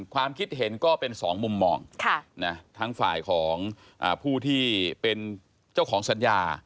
ความคิดเห็นก็เป็นสองมุมมองทั้งฝ่ายของผู้ที่เป็นเจ้าของสัญญา